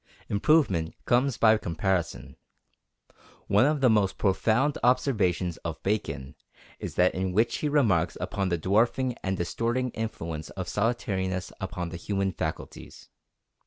Improvement comes by comparison. One of the most profound observations of Bacon is that in which he remarks upon the dwarfing and distorting influence of solitariness upon the human faculties.